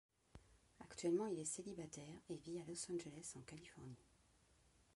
Actuellement il est célibataire et vit à Los Angeles en Californie.